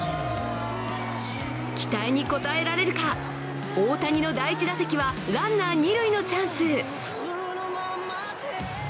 期待に応えられるか、大谷の第１打席はランナー二塁のチャンス。